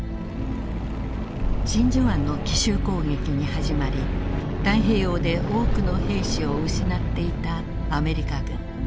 真珠湾の奇襲攻撃に始まり太平洋で多くの兵士を失っていたアメリカ軍。